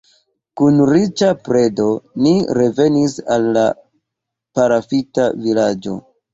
Kun riĉa predo ni revenis al la palafita vilaĝo.